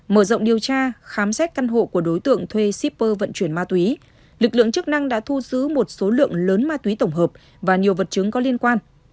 mở rộng điều tra khám xét căn hộ của đối tượng thuê shipper vận chuyển ma túy lực lượng chức năng đã thu giữ một số lượng lớn ma túy tổng hợp và nhiều vật chứng có liên quan